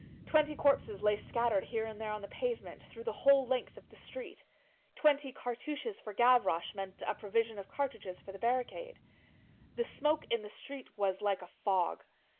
Twenty corpses lay scattered here and there on the pavement, through the whole length of the street. Twenty cartouches for Gavroche meant a provision of cartridges for the barricade. The smoke in the street was like a fog.